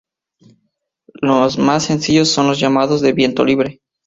Los más sencillos son los llamados de viento libre.